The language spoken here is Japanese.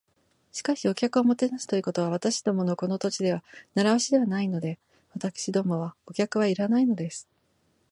「しかし、お客をもてなすということは、私どものこの土地では慣わしではないので。私どもはお客はいらないのです」